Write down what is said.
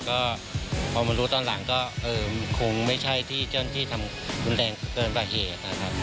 พอมันรู้ตอนหลังก็คงไม่ใช่ขึ้นที่ทำกับแรงเกินประเหตุ